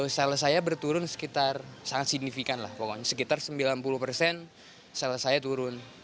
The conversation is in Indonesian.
sales saya berturun sekitar sangat signifikan lah pokoknya sekitar sembilan puluh persen sale saya turun